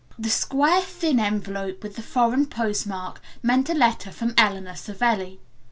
The square thin envelope with the foreign postmark meant a letter from Eleanor Savelli.